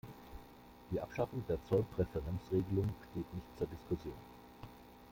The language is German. Die Abschaffung der Zollpräferenzregelungen steht nicht zur Diskussion.